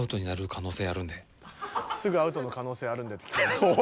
「すぐアウトの可能性あるんで」って聞こえましたけど。